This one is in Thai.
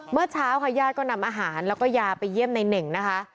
เมื่อเช้าค่ะญาติก็นำอาหารแล้วก็ยาไปเยี่ยมในเน่งนะคะ